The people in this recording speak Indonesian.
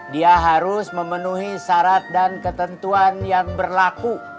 dia harus memenuhi syarat dan ketentuan yang berlaku